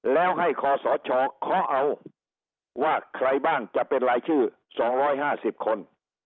แล้วให้คอสชเคาะเอาว่าใครบ้างจะเป็นรายชื่อ๒๕๐คน